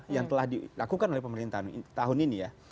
yang telah dilakukan oleh pemerintah tahun ini